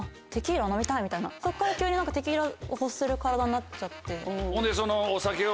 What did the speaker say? そこから急にテキーラを欲する体になっちゃって。